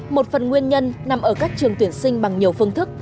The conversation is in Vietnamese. một phần nguyên nhân nằm ở các trường tuyển sinh bằng nhiều phương thức